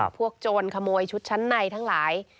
โจรขโมยชุดชั้นในทั้งหลาย